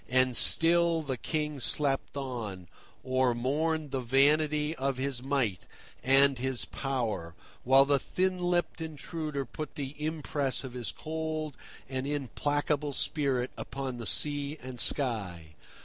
And still the King slept on, or mourned the vanity of his might and his power, while the thin lipped intruder put the impress of his cold and implacable spirit upon the sky and sea.